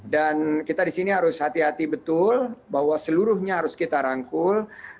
dan kita di sini harus hati hati betul bahwa seluruhnya harus kita rangkul